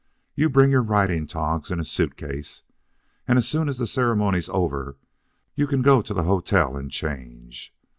You bring your riding togs in a suit case. And as soon as the ceremony's over, you can go to the hotel and change.